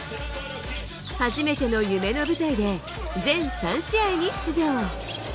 初めての夢の舞台で全３試合に出場。